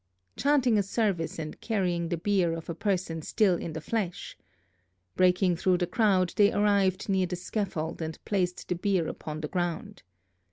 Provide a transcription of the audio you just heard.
Chanting a service and carrying the bier of a person still in the flesh! Breaking through the crowd, they arrived near the scaffold and placed the bier upon the ground.